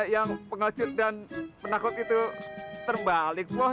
sampai jumpa di video selanjutnya